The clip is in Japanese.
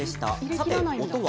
さて、音は？